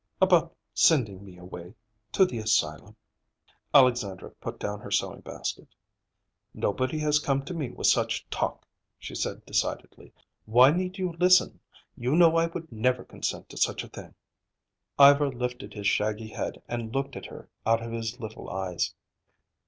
"About sending me away; to the asylum." Alexandra put down her sewing basket. "Nobody has come to me with such talk," she said decidedly. "Why need you listen? You know I would never consent to such a thing." Ivar lifted his shaggy head and looked at her out of his little eyes.